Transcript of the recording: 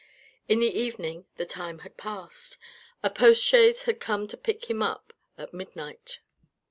In the evening the time had passed. A postchaise had come to pick him up at midnight.